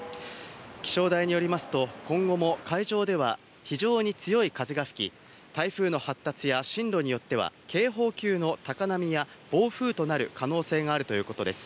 気象台によりますと、今後も海上では非常に強い風が吹き、台風の発達や進路によっては警報級の高波や暴風となる可能性があるということです。